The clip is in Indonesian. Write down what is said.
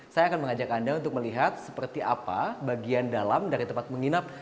saya akan mengajak anda untuk melihat seperti apa bagian dalam dari tempat menginap